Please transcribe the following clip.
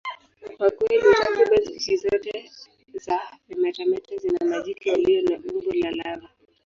Kwa kweli, takriban spishi zote za vimetameta zina majike walio na umbo la lava.